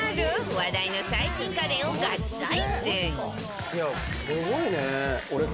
話題の最新家電をガチ採点！